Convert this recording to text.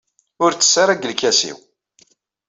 Ur ttess ara deg lkas-iw.